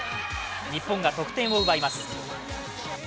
日本が得点を奪います。